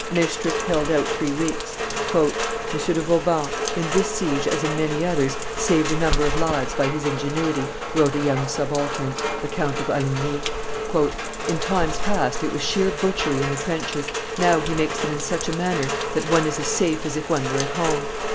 Maestricht held out three weeks. "M. de Vauban, in this siege as in many others, saved a number of lives by his ingenuity," wrote a young subaltern, the Count of Alligny. "In times past it was sheer butchery in the trenches, now he makes them in such a manner that one is as safe as if one were at home."